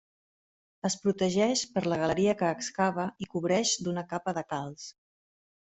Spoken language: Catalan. Es protegeix per la galeria que excava i cobreix d'una capa de calç.